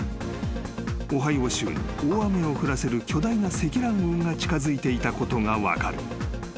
［オハイオ州に大雨を降らせる巨大な積乱雲が近づいていたことが分かる］